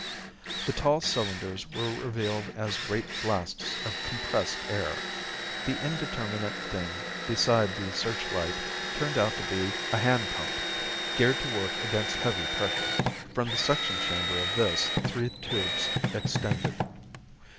The tall cylinders were revealed as great flasks of compressed air. The indeterminate thing beside the searchlight turned out to be a hand pump, geared to work against heavy pressure. From the suction chamber of this three tubes extended.